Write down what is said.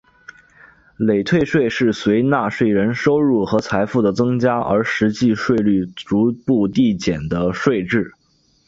累退税是随纳税人收入和财富的增加而实际税率逐步递减的税制。